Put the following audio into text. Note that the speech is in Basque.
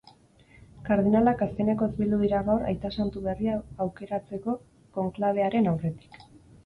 Kardinalak azkenekoz bildu dira gaur aita santu berria aukeratzeko konklabearen aurretik.